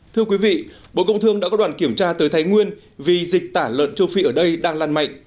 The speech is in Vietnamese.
thưa quý vị bộ công thương đã có đoàn kiểm tra tới thái nguyên vì dịch tả lợn châu phi ở đây đang lan mạnh